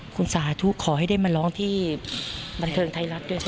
คุณสาธุขอให้ได้มาร้องที่บรรเคลงไทยรัฐด้วย